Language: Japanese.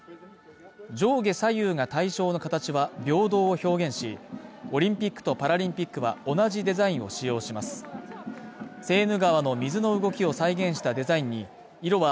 上下左右が対称の形は平等を表現しオリンピックとパラリンピックは同じデザインを使用しますセーヌ川の水の動きを再現したデザインに色は